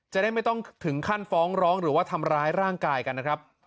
จะได้ไม่ต้องถึงขั้นฟ้องร้องหรือว่าทำร้ายร่างกายกันนะครับ